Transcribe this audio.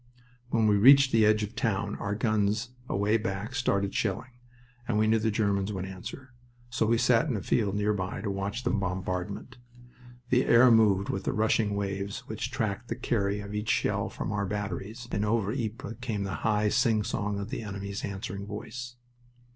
When we reached the edge of the town our guns away back started shelling, and we knew the Germans would answer. So we sat in a field nearby to watch the bombardment. The air moved with the rushing waves which tracked the carry of each shell from our batteries, and over Ypres came the high singsong of the enemies' answering voice.